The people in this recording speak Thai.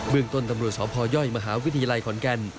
เมืองต้นตำรวจสพยมหาวิทยาลัยขอนแก่น